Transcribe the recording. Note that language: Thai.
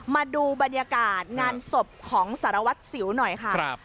มาดูบรรยากาศงานศพของสารวัตรสิวหน่อยค่ะ